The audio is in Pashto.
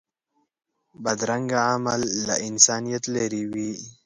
بدرنګه عمل له انسانیت لرې وي